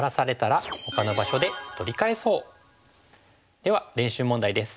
では練習問題です。